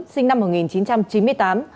sinh năm một nghìn chín trăm chín mươi tám